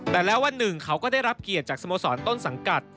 แต่แล้ววันหนึ่งเขาก็ได้รับเกียรติจากสโมสรต้นสังกัด